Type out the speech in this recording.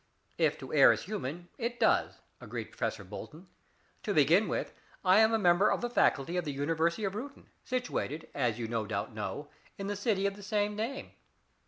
"If to err is human, it does," agreed Professor Bolton. "To begin with, I am a member of the faculty of the University of Reuton, situated, as you no doubt know, in the city of the same name.